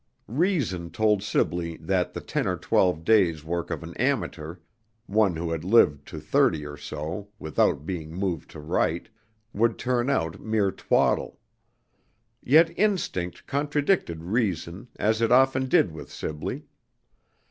Reason told Sibley that the ten or twelve days work of an amateur (one who had lived to thirty or so, without being moved to write) would turn out mere twaddle. Yet instinct contradicted reason, as it often did with Sibley.